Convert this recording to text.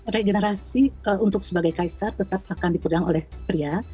regenerasi untuk sebagai kaisar tetap akan dipegang oleh pria